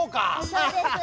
そうです。